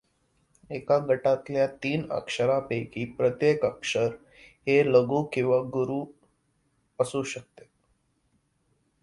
एका गटातल्या तीन अक्षरांपैकी प्रत्येक अक्षर हे लघु किंवा गुरू असू शकते.